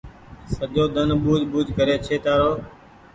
سجو ۮن ٻوجه ٻوجه ڪري ڇي تآرو